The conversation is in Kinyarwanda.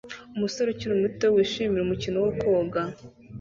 Umusore ukiri muto wishimira umukino wa koga